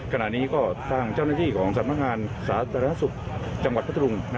ขณะนี้ก็ทางเจ้าหน้าที่ของสำนักงานสาธารณสุขจังหวัดพัทธรุง